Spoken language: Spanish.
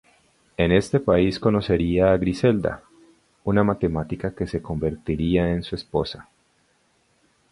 En este país conocería a Griselda, una matemática que se convertiría en su esposa.